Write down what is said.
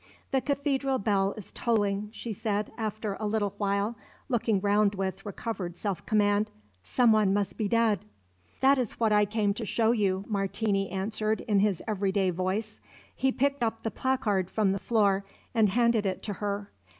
"The Cathedral bell is tolling," she said after a little while, looking round with recovered self command. "Someone must be dead." "That is what I came to show you," Martini answered in his everyday voice. He picked up the placard from the floor and handed it to her.